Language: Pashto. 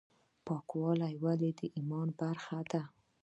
پاکوالی ولې د ایمان برخه ده؟